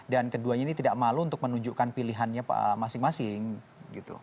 dan keduanya ini tidak malu untuk menunjukkan pilihannya masing masing gitu